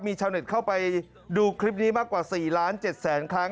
มีชาวเน็ตเข้าไปดูคลิปนี้มากกว่า๔ล้าน๗แสนครั้ง